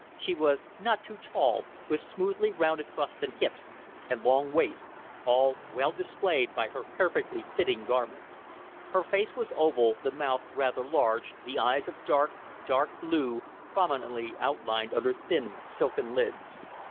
She was not too tall, with smoothly rounded bust and hips, and long waist, all well displayed by her perfectly fitting garments. Her face was oval, the mouth rather large, the eyes of dark, dark blue, prominently outlined under thin, silken lids.